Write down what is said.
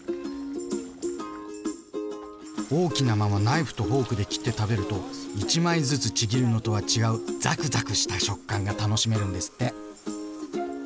大きなままナイフとフォークで切って食べると１枚ずつちぎるのとは違うざくざくした食感が楽しめるんですって。